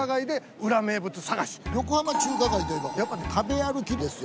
横浜中華街といえばやっぱ食べ歩きですよ。